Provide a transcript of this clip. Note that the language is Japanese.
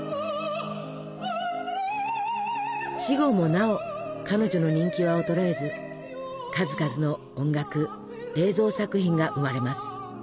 死後もなお彼女の人気は衰えず数々の音楽映像作品が生まれます。